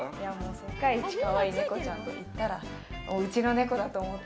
世界一かわいいネコちゃんといったらうちのネコだと思って。